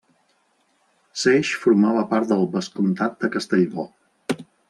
Seix formava part del vescomtat de Castellbò.